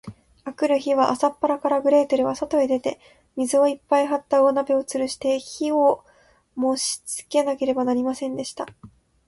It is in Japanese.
あくる日は、朝っぱらから、グレーテルはそとへ出て、水をいっぱいはった大鍋をつるして、火をもしつけなければなりませんでした。